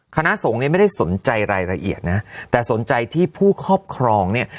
คณะสงฆ์เนี่ยไม่ได้สนใจรายละเอียดนะแต่สนใจที่ผู้ครอบครองเนี่ย